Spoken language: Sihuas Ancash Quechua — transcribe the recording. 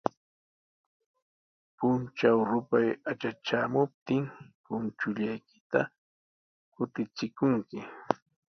Puntraw rupay atratraamuptin, punchullaykita kutichikunki.